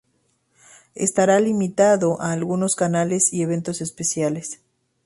Estará limitado a algunos canales y eventos especiales.